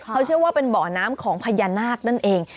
เขาเชื่อว่าเป็นบ่อน้ำของพญานาคนั่นเอง